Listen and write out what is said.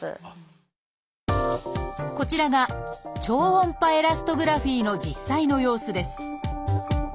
こちらが超音波エラストグラフィの実際の様子です。